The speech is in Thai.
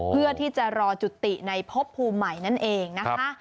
เพื่อที่จะรอจุติในพบภูมิใหม่นั่นเองนะคะ